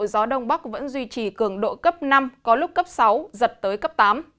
gió đông bắc vẫn duy trì cường độ cấp năm có lúc cấp sáu giật tới cấp tám